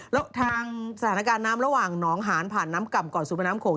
แล้วทางสถานการณ์น้ำระหว่างหนองหานผ่านน้ำก่ำก่อนสู่แม่น้ำโขง